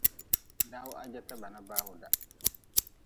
Daw-ha jeta bana bawda.